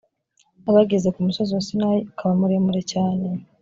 bageze ku musozi wa sinayi ukaba muremure cyane